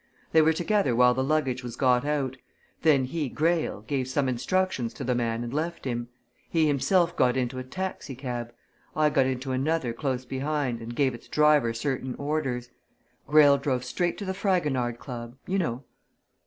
They were together while the luggage was got out; then he, Greyle, gave some instructions to the man and left him. He himself got into a taxi cab; I got into another close behind and gave its driver certain orders. Greyle drove straight to the Fragonard Club you know."